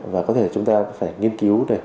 và có thể chúng ta phải nghiên cứu